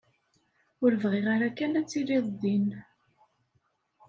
Ur bɣiɣ ara kan ad tiliḍ din.